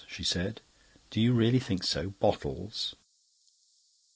she said. "Do you really think so? Bottles..."